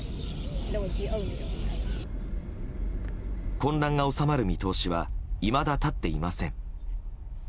混乱が収まる見通しはいまだ立っていません。